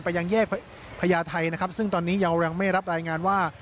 ยังแยกพญาไทยนะครับซึ่งตอนนี้ยังไม่รับรายงานว่า